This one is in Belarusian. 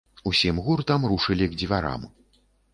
Усім гуртам рушылі к дзвярам.